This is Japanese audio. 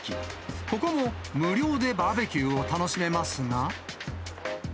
ここも、無料でバーベキューを楽しめますが。